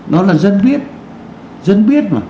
nó là dân biết